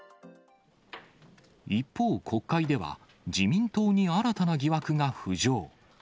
一方、国会では自民党に新たな疑惑が浮上。